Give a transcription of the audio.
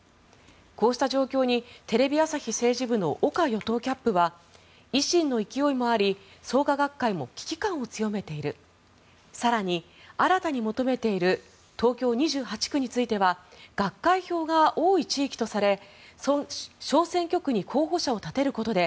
こうした状況にテレビ朝日政治部の岡与党キャップは維新の勢いもあり創価学会も危機感を強めている更に、新たに求めている東京２８区については学会票が多い地域とされ小選挙区に候補者を立てることで